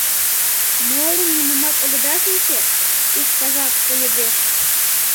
— Молым нимомат огыда шинче? — ик казакше йодеш.